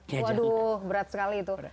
waduh berat sekali itu